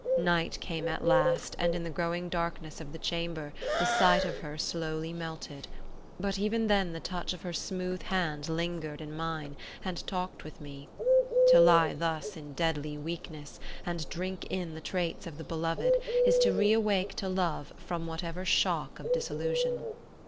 Night came at last, and in the growing darkness of the chamber, the sight of her slowly melted; but even then the touch of her smooth hand lingered in mine and talked with me. To lie thus in deadly weakness and drink in the traits of the beloved, is to reawake to love from whatever shock of disillusion.